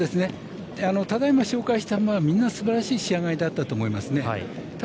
ただいま、紹介した馬はみんなすばらしい仕上がりだと思いました。